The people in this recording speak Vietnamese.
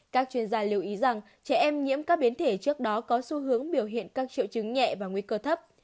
các chuyên gia lưu ý rằng trẻ em nhiễm các biến thể trước đó có xu hướng biểu hiện các triệu chứng nhẹ và nguy cơ thấp